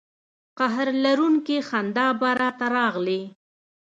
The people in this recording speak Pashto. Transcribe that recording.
قهر لرونکې خندا به را ته راغلې.